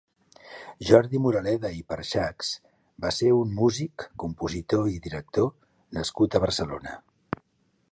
Jordi Moraleda i Perxachs va ser un músic, compositor i director nascut a Barcelona.